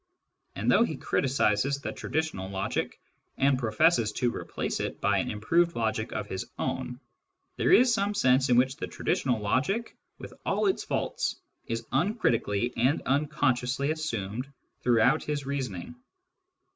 And though he criticises the traditional logic, and professes to replace it by an improved logic of his own, there is some sense in which the traditional logic, with all its faults, is uncritically and unconsciously assumed throughout his reasoning.